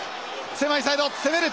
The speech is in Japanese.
狭いサイド攻める！